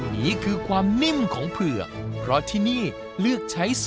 พี่พ่อวางเงินไว้๕๐๐บาทนะครับ